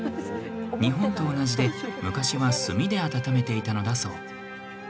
日本と同じで昔は炭で温めていたのだそう。